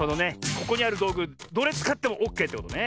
ここにあるどうぐどれつかってもオッケーってことね。